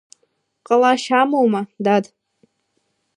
Ҟалашьа амоума, дад.